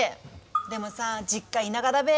でもさ実家田舎だべ。